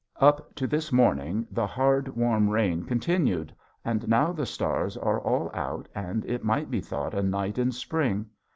Up to this morning the hard warm rain continued, and now the stars are all out and it might be thought a night in spring.